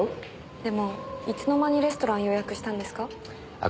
でもいつの間にレストランを予約したんですか？